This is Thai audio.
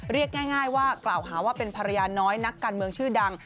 เรียกง่ายว่ากล่าวหาว่าเป็นภรรยาน้อยนักการเมืองชื่อดัง